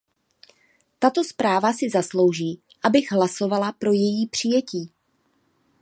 Tato zpráva si zaslouží, abych hlasovala pro její přijetí.